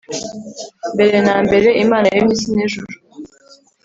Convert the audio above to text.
mbere na mbere Imana yaremye isi nijuru